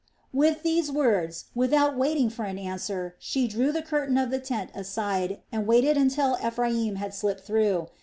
With these words, without waiting for an answer, she drew the curtain of the tent aside, and waited until Ephraim had slipped through.